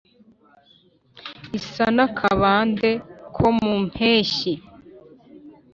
isa n'akabande ko mu mpeshyi